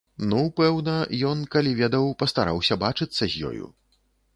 Ну, пэўна, ён, калі ведаў, пастараўся бачыцца з ёю.